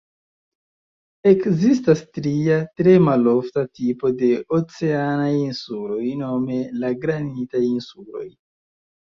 Ekzistas tria, tre malofta, tipo de oceanaj insuloj, nome la granitaj insuloj.